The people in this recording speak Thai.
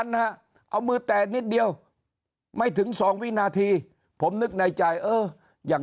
นะฮะเอามือแตกนิดเดียวไม่ถึง๒วินาทีผมนึกในใจเอออย่าง